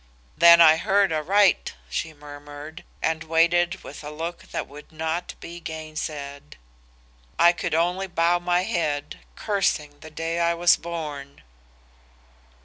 "'Then I heard aright,' she murmured, and waited with a look that would not be gainsaid. "I could only bow my head, cursing the day I was born.